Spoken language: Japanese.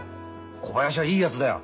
小林はいいやつだよ。